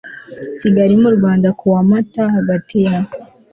kigali mu rwanda ku wa mata hagati ya